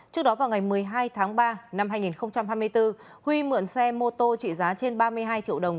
trước đó vào ngày một mươi hai tháng ba năm hai nghìn hai mươi bốn huy mượn xe mô tô trị giá trên ba mươi hai triệu đồng